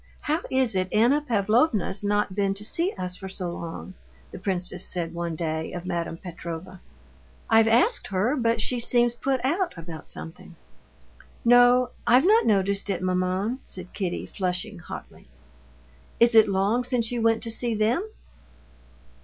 "How is it Anna Pavlovna's not been to see us for so long?" the princess said one day of Madame Petrova. "I've asked her, but she seems put out about something." "No, I've not noticed it, maman," said Kitty, flushing hotly. "Is it long since you went to see them?"